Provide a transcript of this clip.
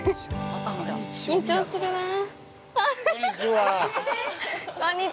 緊張するなぁ。